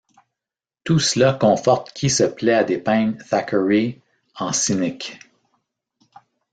Tout cela conforte qui se plaît à dépeindre Thackeray en cynique.